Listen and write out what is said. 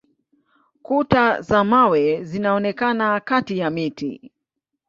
Kuta za mawe zinaonekana kati ya miti.